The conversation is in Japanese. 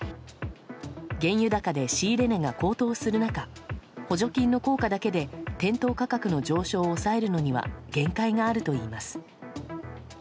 原油高で仕入れ値が高騰する中補助金の効果だけで店頭価格の上昇を抑えるのには限界があるといいます。